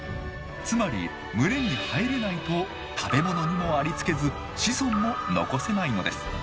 つまり群れに入れないと食べ物にもありつけず子孫も残せないのです。